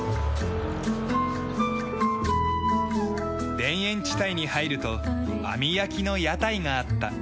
田園地帯に入ると網焼きの屋台があった。